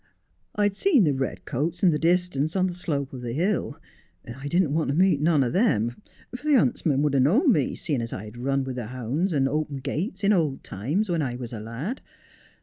I'd seen the red coast in the distance on the slope of the hill, and I didn't want to meet none o' them, for the huntsman would ha' known me, seein' as I had run with the hounds and opened gates in old times when I was a lad.'